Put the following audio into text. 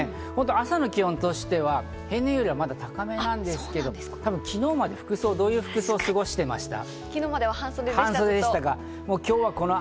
朝の気温としては、例年よりまだ高めなんですけど、昨日まで服装、どういう服装で過ごしてました。